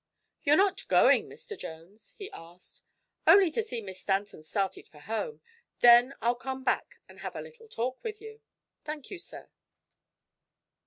"You're not going, Mr. Jones?" he asked. "Only to see Miss Stanton started for home. Then I'll come back and have a little talk with you." "Thank you, sir."